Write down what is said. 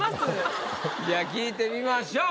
じゃあ聞いてみましょう。